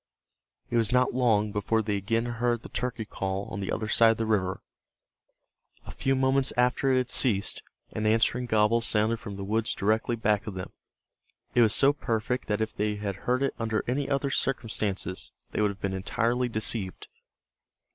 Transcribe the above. It was not long before they again heard the turkey call on the other side of the river. A few moments after it had ceased, an answering gobble sounded from the woods directly back of them. It was so perfect that if they had heard it under any other circumstances they would have been entirely deceived.